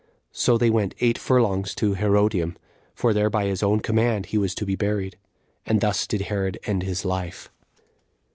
So they went eight furlongs 12 to Herodium; for there by his own command he was to be buried. And thus did Herod end his life.